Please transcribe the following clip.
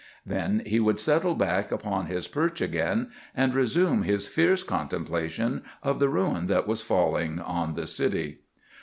Then he would settle back upon his perch again, and resume his fierce contemplation of the ruin that was falling on the city.